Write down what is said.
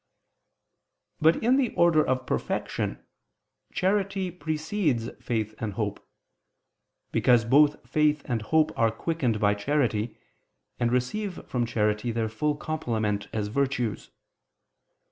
But in the order of perfection, charity precedes faith and hope: because both faith and hope are quickened by charity, and receive from charity their full complement as virtues.